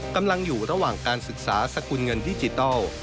กำลังอยู่ระหว่างการศึกษาสกุลเงินดิจิทัล